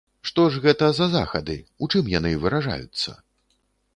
Што ж гэта за захады, у чым яны выражаюцца?